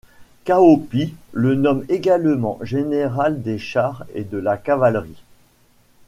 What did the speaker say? Cao Pi le nomme également Général des Chars et de la Cavalerie.